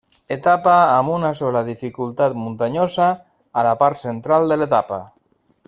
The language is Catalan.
Etapa amb una sola dificultat muntanyosa, a la part central de l'etapa.